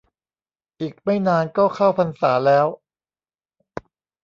อีกไม่นานก็เข้าพรรษาแล้ว